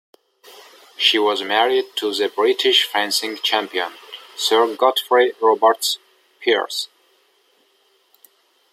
She was married to the British fencing champion Sir Godfrey Robarts Pearse.